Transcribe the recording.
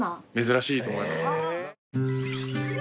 珍しいと思います。